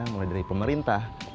mulai dari pemerintah